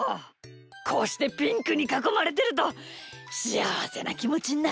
こうしてピンクにかこまれてるとしあわせなきもちになるんだ。